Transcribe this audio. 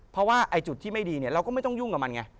เพราะว่าจุดที่ไม่ดีเนี่ยเราก็ไม่ต้องยุ่งกับมันไง